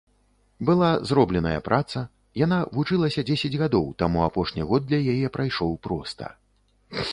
Была зробленая праца, яна вучылася дзесяць гадоў, таму апошні год для яе прайшоў проста.